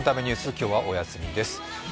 今日はお休みです。